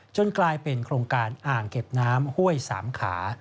กลายเป็นโครงการอ่างเก็บน้ำห้วยสามขา